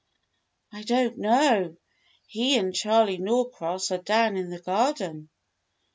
" "I don't know. He and Charley Norcross are down in the garden."